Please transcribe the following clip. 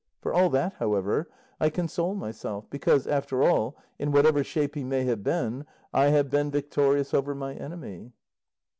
For all that, however, I console myself, because, after all, in whatever shape he may have been, I have victorious over my enemy."